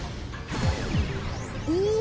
お！